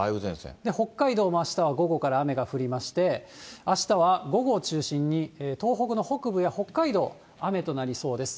北海道もあしたは午後から雨が降りまして、あしたは午後を中心に東北の北部や北海道、雨となりそうです。